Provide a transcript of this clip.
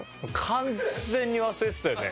完全に忘れてたよね。